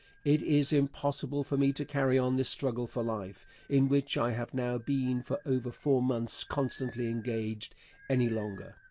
It is impossible for me to carry on this struggle for life, in which I have now been for over four months constantly engaged, any longer.